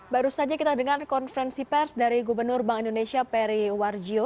baru saja kita dengar konferensi pers dari gubernur bank indonesia peri warjio